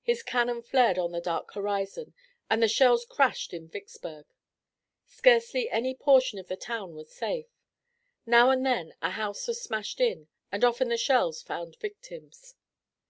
His cannon flared on the dark horizon and the shells crashed in Vicksburg. Scarcely any portion of the town was safe. Now and then a house was smashed in and often the shells found victims.